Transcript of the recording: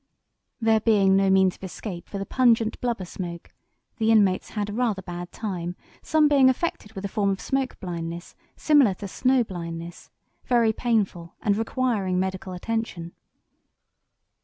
There being no means of escape for the pungent blubber smoke, the inmates had rather a bad time, some being affected with a form of smoke blindness similar to snow blindness, very painful and requiring medical attention.